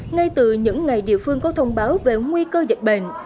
ngay từ những ngày địa phương có thông báo về nguy cơ dịch bệnh